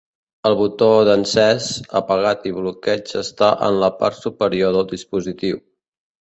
El botó d'encès, apagat i bloqueig està en la part superior del dispositiu.